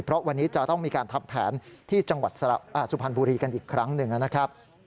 เพราะวันนี้จะต้องมีการทำแผนที่จังหวัดสุพรรณบุรีกันอีกครั้งหนึ่งนะครับ